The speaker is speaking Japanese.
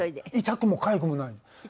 痛くもかゆくもないの。